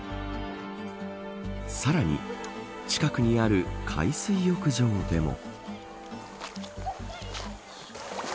さらに近くにある海水浴場でも。